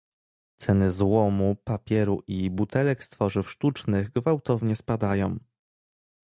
Ceny złomu, papieru i butelek z tworzyw sztucznych gwałtownie spadają